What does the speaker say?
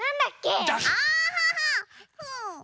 うん！